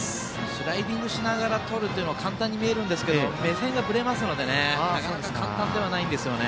スライディングしながらとるというのは簡単に見えますが目線がぶれますのでなかなか簡単ではないんですよね。